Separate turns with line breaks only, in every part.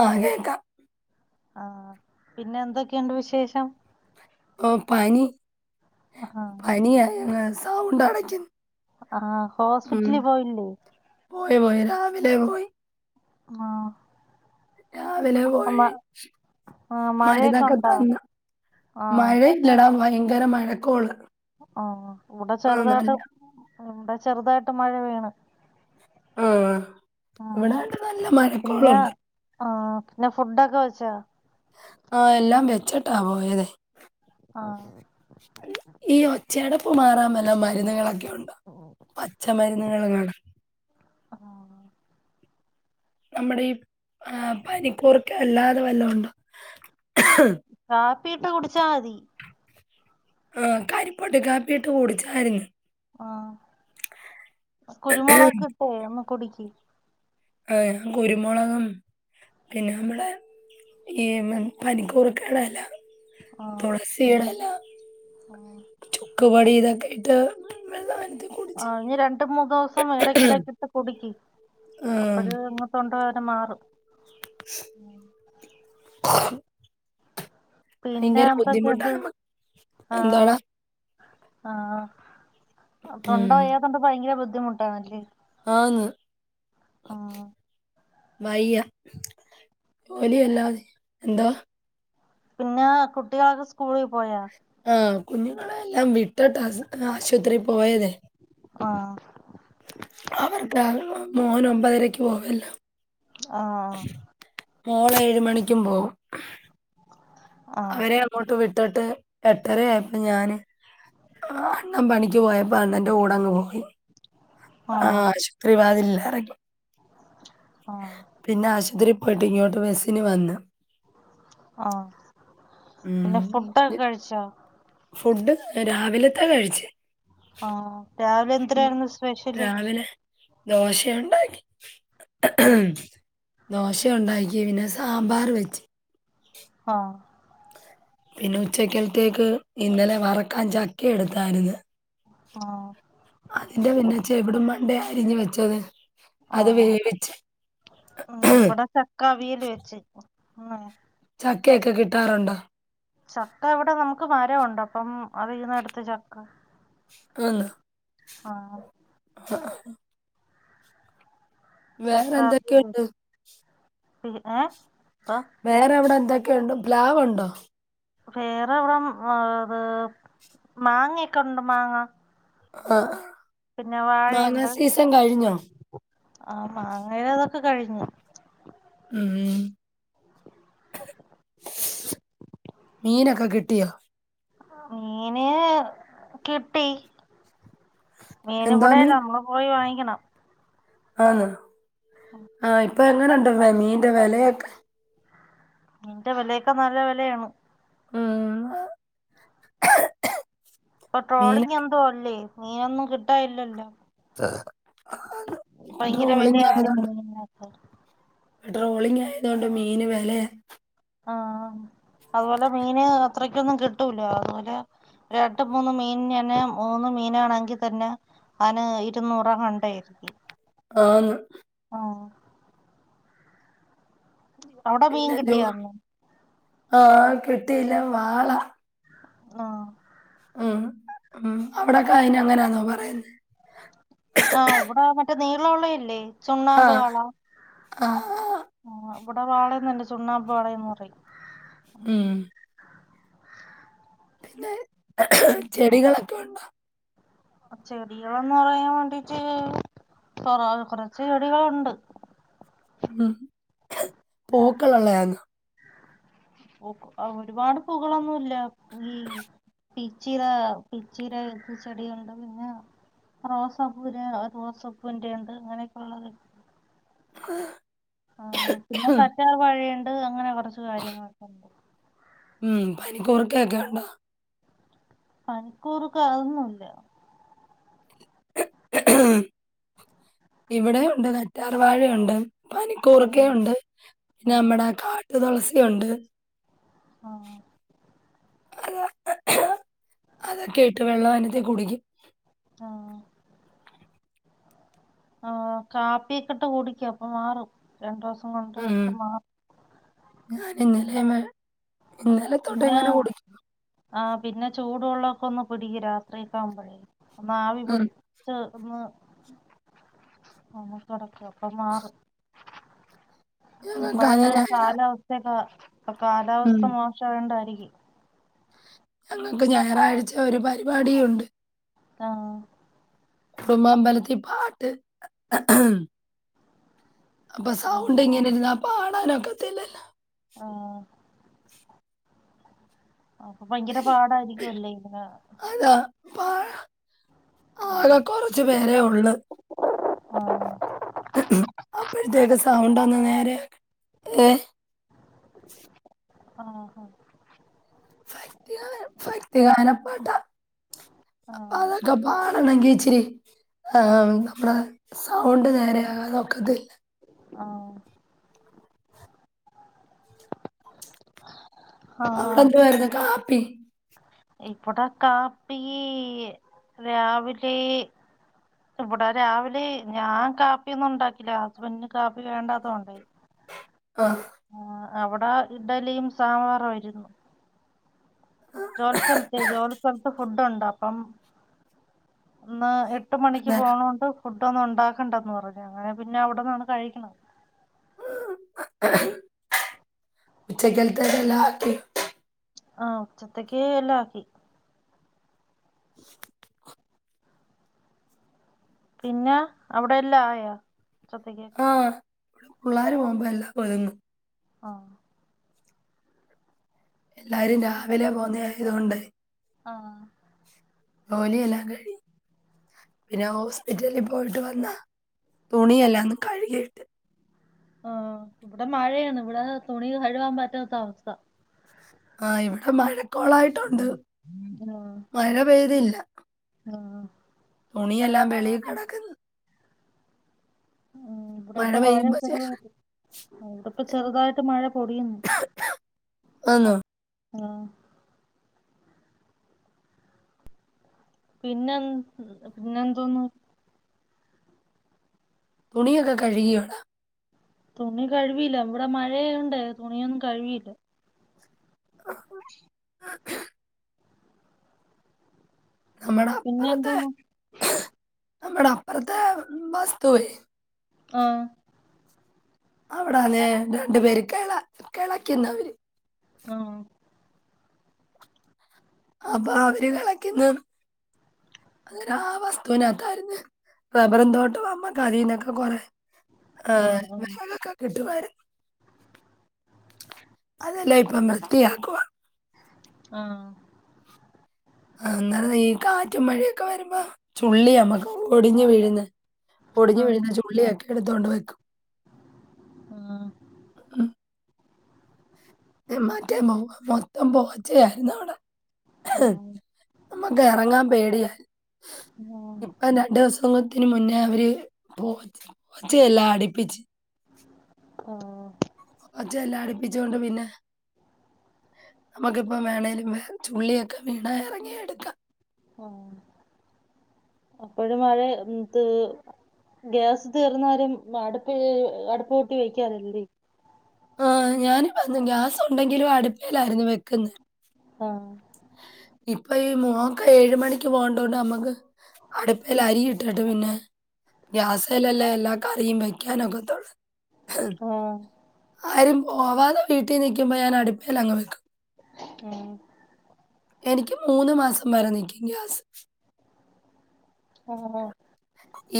ആഹ് കേക്കാം
ആഹ പിന്നെ എന്തൊക്കെയുണ്ട് വിശേഷം
ഓ പനി
ആഹ്
പന സൗണ്ട് അടക്കുന്നു
ആഹ് ഹോസ്പിറ്റലില് പോയിണ്ടേ
അ പോയി രാവിലെ പോയി
ആഹ
രാവിലെ പോയി
ആഹ് മഴയൊക്കെ
മരുന്നൊക്കെ
ഉണ്ടോ
തന്ന
ആഹ്
മഴ ലടാം ഭയങ്കര മഴക്കോൾ
ആ ഇവിടെ ചെറുതായിട്ട് ഇവിടെ ചെറുതായിട്ട് മഴ വീണ്
ആഹ
ആഹ്
ഇവിടായിട്ട് നല്ല മഴക്കോൾുണ്ട്
ആഹ പിന്നെ ഫുഡൊക്കെ വെച്ചോ
ആഹ എല്ലാം വെച്ചിട്ടാ പോയത്െ
ആഹ്
ഈ ഒച്ചയടപ്പ് മാറാൻ വല്ല മരുന്നുകളൊക്കെ ഉണ്ടോ പച്ചമരുന്നുക കാ
ആഹ്
നമ്മുടെ ഈ ആർ പനിക്കൂർക്ക അല്ലാതെ വല്ലണ്ട്
കാപ്പിട്ട് കുടിച്ചാ മതി
ആ കരിപ്പൊട്ട കാപ്പിട്ട് കുൂടിച്ചായിരുന്നു
ആ കുരുമുളക് ഇട്ടേ ഒന്ന് കുടിക്ക്
ആ ഞാൻ കുരുമുളകും പിന്നെ നമ്മള ഈ പനിക്കൂർക്കേടെ ഇല
ആഹ്
തുളസിടെ ഇല
ആഹ്
ചുക്കവാടി ഇതാ കട്ട [unintelligible]
ആ നീ രണ്ട് മൂന്ന് ദിവസം ഇടക്കിടക്ക ഇട്ട് കുടുക്കി
ആഹ്
അപ്പഴ് അങ്ങ് തൊണ്ടവേദന മാറും
ആ
പിന്നെ എന്തൊക്കെയ ഇണ്ട്
മ
ആ
എന്താടാ
ആഹ് തൊണ്ട
ഉം
വയ്യാത്തോണ്ട് ഭയങ്കര ബുദ്ധിമുട്ടാണല്ലേ?
ആന്ന്
ആഹ്
വയ്യ ജോലിയല്ലാ എന്താ?
പിന്നെ കുട്ടികളൊക്കെ സ്കൂളിൽ പോയാ?
ആഹ് കുഞ്ഞുങ്ങളെയെല്ലാം വിട്ടട്ടാ സ ആശുപത്രി പോയതേ.
ആഹ്
അവർക്ക് മോന് ഒമ്പതരക്ക് പോവല്ലോ.
ആഹ്
മോൾ ഏഴ് മണിക്കും പോവും.
ആഹ്
അവരെ അങ്ങോട്ട് വിട്ടട്ട് എട്ടരയായപ്പോ ഞാന് അണ്ണൻ പണിക്ക് പോയപ്പോ അണ്ണന്റെ കൂടങ്ങ് പോയി. ആഹ് ആശുപത്രി വാതിലിൽ ഇറങ്ങി.
ആഹ്
പിന്നെ ആശുപത്രി പോയിട്ട് ഇങ്ങോട്ട് ബസ്സിന് വന്ന്.
ആഹ്.
ഉം
പിന്നെ ഫുഡൊക്കെ കഴിച്ചോ?
ഫുഡ് രാവിലത്ത കഴിച്ച്.
ആഹ് രാവിലെ
ഉം.
എന്താരായിരുന്നു സ്പെഷ്യല്?
രാവിലെ ദോശയുണ്ടാക്കി.
ആഹ്
ദോശ ഉണ്ടാക്കി പിന്നെ സാമ്പാർ വെച്ച്.
ആഹ്.
പിന്നെ ഉച്ചക്കലത്തേക്ക് ഇന്നലെ വറക്കാൻ ചക്ക എടുത്തായിരുന്നു.
ആഹ്.
അതിന്റെ പിന്നെ ചെവിടും മണ്ടേം അരിഞ്ഞു വെച്ചത് അത്
ആഹ്
വേവിച്ച്.
ഉം ഇവിടെ ചക്ക അവിയൽ വച്ച്.
ചക്കയൊക്കെ കിട്ടാറുണ്ടോ?
ചക്ക ഇവിടെ നമുക്ക് മരമുണ്ട് അപ്പം അതീന്നു എടുത്തു ചക്ക.
ആന്നോ?
ആഹ്.
വേറെ എന്തൊക്കെയുണ്ട്
പി ഏഹ് ഇപ്പൊ
വേറെ അവടെ എന്തൊക്കെയുണ്ട് പ്ലാവുണ്ടോ
വേറെവിടെ ഇത് മാങ്ങ ക്കെണ്ട് മാങ്ങ
ആഹ് ആഹ്
പിന്നെ വാഴ യിണ്ട് ആഹ് [unintelligible] ഒക്കെ കഴിഞ്ഞു
ഉമ് മീനൊക്കെ കിട്ടിയോ
മീൻ കിട്ടി മീൻ
എന്താ
ഇവിടെ [unintelligible] നമ്മള് പോയി വാങ്ങിക്കണം
ആന്ന ആഹ് ഇപ്പൊ എങ്ങനെണ്ട് മീനിൻ്റെ വിലയൊക്കെ
മീൻ്റെ വിലയൊക്കെ നല്ല വിലയാണ്.
ഉമ്
ഇപ്പ ട്രോളിങ് എന്തോ അല്ലേ മീനൊന്നും കിട്ടാനില്ല ല്ലോ
ത്താ
ഭയങ്കര വിലയല്ലേ പ്പ മീൻനോക്കെ
ഇപ്പ ട്രോളിങ് ആയത് കൊണ്ട് മീന് വേലെ
ആഹ് അതുപോലെ മീന് അത്രക്കൊന്നും കിട്ടൂല അതുപോലെ രണ്ട് മൂന്ന് മീൻ ന്നെ മൂന്ന് മീനാണെങ്കിൽ തന്നെ അവന് ഇരുന്നൂറാണ്ടയിരിക്കി
ആന്ന്
അവിടെ മീൻ കിട്ടിയ ഇന്ന്
ആഹ് കിട്ടി ഇല്ല വാള
ആഹ്
ഉം ഉം അവിടൊക്കെ അയിന് അങ്ങനെയാന്നോ പറയുന്ന
ആഹ ഇവിടെ മറ്റേ നീളമുള്ളതല്ലേ
ആ
ചുണ്ണാമ്പ് വാള
ആ ആ.
ആ ഇവിടെ വാളയന്നു തന്നെ ചുണ്ണാമ്പ് വാളയെന്ന് പറയും
ഉം പിന്നെ ചെടികളൊക്കെ ഉണ്ടോ
ചെടികളന്ന് പറയാൻ വേണ്ടീട്ട് കൊറ കൊറച്ച് ചെടികളുണ്ട്
ഉം പൂക്കൾ ഉള്ളതാണാ
പു ഒരുപാട് പൂക്കളൊന്നുമില്ല പിച്ചിട പിച്ചിട ചെടികളുണ്ട് പിന്നെ റോസപ്പൂവിന് റോസപ്പൂവിന്റെറെ ഉണ്ട് അങ്ങനെയൊക്കെ ഉള്ളത് ഉണ്ട്
ആ
ആ പിന്നെ കറ്റാർ വാഴയുണ്ട് അങ്ങനെ കുറച്ച് കാര്യങ്ങളൊക്കെ ഉണ്ട്
ഉം പനി കൂർക്ക ഒക്കെണ്ടോ
പനിക്കൂർക്ക അതൊന്നുമില്ല
ഇവിടെ ഉണ്ട് കറ്റാർവാഴയുണ്ട്
ആഹ്
പനിക്കൂർക്കയുണ്ട് പിന്നെ
ആഹ്
നമ്മടെ കാട്ടുതുളസിയുണ്ട്
ആഹ്
[inaudible] അത അതൊക്കെ ഇട്ട് വെള്ളം അനത്തി കുടിക്കും
ആഹ് ആ കാപ്പിയൊക്കെ ഇട്ട് കുടിക്ക് അപ്പൊ മാറും രണ്ടു ദിവസം കൊണ്ട്
ഉം.
ഒക്കെ മാറും
ഞാൻ ഇന്നലെ ഇന്നലെ തൊട്ട്
പിന്നെ
ഇങ്ങനെ കുടിക്കാ
ആഹ് പിന്നെ ചൂടുവെള്ളമൊക്കെ ഒന്ന് പിടിക്ക് രാത്രി ഒക്ക ആവുമ്പോഴേ ഒന്ന് ആവി
ഉം.
പിടിച്ച് ഒന്ന് ആ കിടക്ക അപ്പം മാറും
ഞങ്ങക്ക് അത്
ഇപ്പഴെ
ഞായറാ
കാലാവസ്ഥയൊക്കെ ഇപ്പ
ഉം.
കാലാവസ്ഥ മോശാമായതു കൊണ്ടായിരിക്കും
ഞങ്ങൾക്ക് ഞായറാഴ്ച ഒരു പരിപാടിയും ഉണ്ട്
ആഹ്
കുടുംബമ്പലത്തിൽ പാട്ട് അപ്പൊ
ആഹ്
സൗണ്ട് ഇങ്ങനെ ഇരുന്ന പാടാനൊക്കത്തില്ലല്ലോ
ആഹ് അപ്പൊ ഭയങ്കര പാടായിരിക്കുംല്ലേ ഇങ്ങനെ
അതാ
ആഹ്
ആകെ കൊറച്ചു പേരെ ഉള്ളു
ആഹ്
അപ്പഴത്തേക്ക് സൗണ്ട് ഒന്ന് നേരെ ഏ
ആ
ഭക്തിഗ ഭക്തിഗാനപ്പാട്ട അ
ആഹ്
അതെക്കെ പാടണമെങ്കിൽ ഇച്ചരി ആ സൗണ്ട് നേരെ ആകാതെ ഒക്കത്തില്ല
ആ [inaudible]
അവിടെ എന്തായിരുന്നു കാപ്പി
ഇപ്പട കാപ്പി രാവിലെ ഇവിടെ രാവിലെ ഞാൻ ഇവിടെ രാവിലെ ഞാൻ കാപ്പിയൊന്നും ഉണ്ടാക്കില്ല ഹസ്ബൻറിന് കാപ്പി വേണ്ടാന്ന് പറഞ്ഞ്
ആ
അവിടെ ഇഡലിയും സാമ്പറും ആരുന്നു ജോലി സ്ഥലത്ത ജോലി സ്ഥലത്ത് ഫുഡുണ്ട അപ്പം ഒന്ന് എട്ട് മണിക്ക്
അന്നേരം
പോണോണ്ട് ഫുഡ ഒന്നും ഉണ്ടാക്കണ്ടന്ന് പറഞ്ഞു അങ്ങനെ പിന്നെ അവിടന്നാണ് കഴിക്കണം
ഉച്ചക്കത്തല്ല ആക്കി
ആഹ ഉച്ചത്തക്ക എല്ല ആക്കി പിന്നെ അവിടെല്ല ആയാ ഉച്ചത്തെക്ക്
ആ ഇവിടെ പുള്ളാര് പോമ്പല്ലാ ഒതുങ്ങും
ആഹ്
എല്ലാരും രാവിലെ പോന്ന ആയത് കൊണ്ടെ
ആഹ്
ജോലിയെല്ലാം കഴി പിന്നെ ഹോസ്പിറ്റലി പോയിട്ട് വന്ന തുണിയെല്ലന്ന് കഴുകിയിട്ട്
ആഹ് ഇവിടെ മഴയാണ് ഇവിടെ തുണി കഴുവാൻ പറ്റാത്ത അവസ്ഥ
ആഹ് ഇവിടെ മഴക്കോളായിട്ടോണ്ട് മഴ പെയ്തില്ല
ആഹ് അഹ്
തുണിയെല്ലാം വെളി കെടക്ക്ന്ന്
ഉം ഇവിടെ ഇപ്പം മഴ [unintelligible] ഇവിടിപ്പോ ചെറുതാട്ട് മഴ പൊടിന്ന്
ആന്നൊ
ആഹ് പിന്നെൻ പിന്നെ എന്തോന്ന്
തുണിയൊക്കെ കഴുകിയോടാ
തുണി കഴുവീല്ല ഇവിടെ മഴയണ്ടെ തുണിയൊന്നും കഴുവീല്ല
നമ്മുടെ
പിന്നെ എന്തോന്നു
മ്മടപ്പർത്തെ മസ്ത്തുവെ
ആഹ്
അവിടാന്നെ രണ്ട് പേര് കേള കേളക്ക്ന്നവര്
അഹ്
അപ്പൊ അവര് കെളക്ന്ന് അങ്ങനാ ആ വസ്തുവിനത്താര്ന്ന് റബ്ബറും തോട്ടവാമ്പോ കരിനൊക്കെ കൊറെ അഹ്
ആഹ്
വിറകക്കെ കിട്ടുവാര് അതെല്ല ഇപ്പൊ വൃത്തിയാക്കുക.
ആഹ
ആ അന്ന ഈ കാറ്റും മഴയൊക്കെ വരുമ്പോ ചുള്ളി നമ്മക്ക് പൊടിഞ്ഞു വീഴന്ന്. പൊടിഞ്ഞു
ആഹ്
വീഴുന്ന ചുള്ളിയൊക്കെ എടുത്തുകൊണ്ട് വെക്കും. ഉ മാറ്റൻ പോവ മൊത്തം പോവാച്ചായിരുന്നു അവിടെ.
ആഹ
നമുക്ക് ഇറങ്ങാൻ പേടിയാ
ആഹ്
ഇപ്പ രണ്ടു ദിവസ തിന് മുന്നേ അവര് പോ പോച്ച എല്ലാം അടിപ്പിച്ച്
ആഹ
അതെല്ലാം അടിപ്പിച്ചോണ്ട് പിന്നെ നമുക്കിപ്പം വേണമേലും വേ ചുള്ളിയൊക്കെ വീണാ ഇറങ്ങിയ എടുക്കാം.
ആ അപ്പോഴും മഴെന്ത്‌ ഗ്യാസ് തീർന്നാലും അടുപ്പ് അടുപ്പ് പൂട്ടി വെക്കാറല്ലേ?
ആ ഞാനി ഗ്യാസ് ഉണ്ടെങ്കിലും അടുപ്പയിലായിരുന്നു വെക്കുന്നത്.
ആഹ
ഇപ്പൊ ഈ മക്ക ഏഴ മണിക്ക് പോകണ്ടോണ്ട് നമ്മുക്ക് അടുപ്പൽ അരിയിട്ടു ഇട്ടിട്ട് പിന്നെ ഗ്യാസലല്ലാം എല്ലാ കറും വെക്കാനൊക്കെതൊള്ളൂ.
ആഹ
ആരും പോവാതെ വീട്ടിൽ നിൽക്കുമ്പോ ഞാൻ അടുപ്പൽ അങ്ങ് വെക്കും.
ഉം
എനിക്ക് മൂന്ന് മാസം വരെ നില്ക്കും ഗ്യാസ്.
ആഹ ആഹ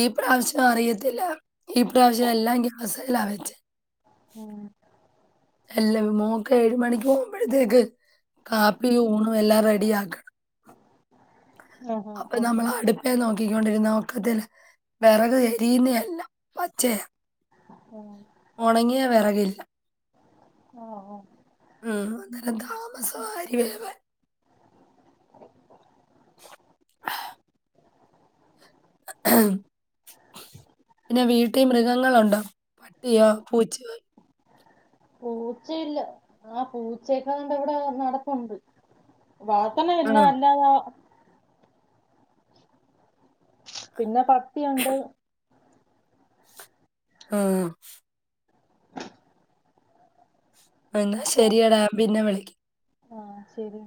ഈ പ്രാവശ്യം അറിയത്തില്ല ഈ പ്രാവശ്യം എല്ലാം ഗ്യസല്ല വെച്ച്
ആ
എല്ല മോക്ക് ഏഴ് മണിക്ക് പോകുമ്പോഴത്തേക്ക് കാപ്പിയും ഊണും എല്ലാം റെഡി ആക്കണം
ആഹ് ആഹ്
അപ്പൊ നമ്മൾ
ആഹ്
അടുപ്പാ നോക്ക ണ്ടിരുന്ന നോക്കത്തില് വിറക് എരിയുന്ന എല്ല പച്ചേ
ആഹ്
ഉണങ്ങിയാ വിറകില്ല
ആഹ്
ഉം അന്നേരം താമസം ആ അരി വേവാൻ [inaudible] ഉ പിന്നെ വീട്ടിൽ മൃഗങ്ങളുണ്ട പട്ടിയോ പൂച്ചയോ
പൂച്ചയില്ല ആ പൂച്ചയൊക്കെണ്ട് ഇവിടെ നടക്കണ്ട് വാർത്തനയല്ല
ആഹ്.
അല്ലാത പിന്നെ പട്ടി ഉണ്ട്
ആ എന്നാ ശരിയ ഡാ പിന്നെ വിളി
ആ ശരി